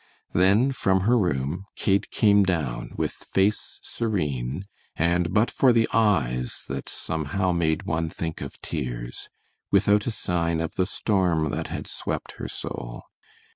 Then, from her room, Kate came down with face serene, and but for the eyes that somehow made one think of tears, without a sign of the storm that had swept her soul.